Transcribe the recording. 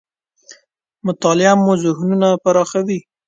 مطالعه مو ذهنونه پراخوي .